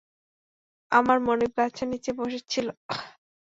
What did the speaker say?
আমার মনিব গাছের নীচে বসেছিল।